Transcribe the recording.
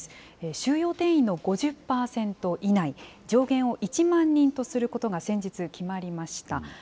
収容定員の５０％以内、上限を１万人とすることが先日、決まりました。